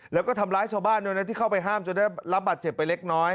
แล้วก็ทำร้ายชาวบ้านด้วยนะที่เข้าไปห้ามจนได้รับบาดเจ็บไปเล็กน้อย